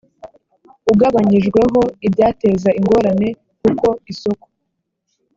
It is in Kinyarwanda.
ugabanyijweho ibyateza ingorane k uko isoko